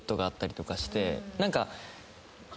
何か。